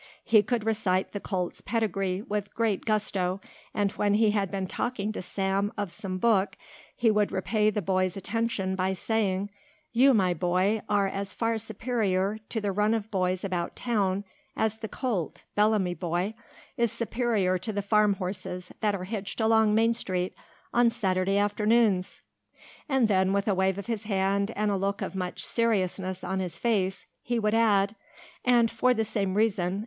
He could recite the colt's pedigree with great gusto and when he had been talking to Sam of some book he would repay the boy's attention by saying, "You, my boy, are as far superior to the run of boys about town as the colt, Bellamy Boy, is superior to the farm horses that are hitched along Main Street on Saturday afternoons." And then, with a wave of his hand and a look of much seriousness on his face, he would add, "And for the same reason.